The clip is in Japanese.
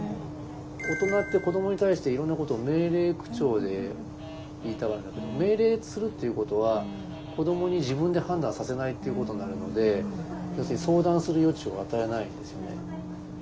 大人って子どもに対していろんなことを命令口調で言いたがるんだけど命令するっていうことは子どもに自分で判断させないっていうことになるので要するに相談する余地を与えないんですよね。